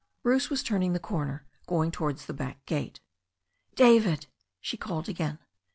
Bruce was turning the corner, going towards the back gate. "David," she called again.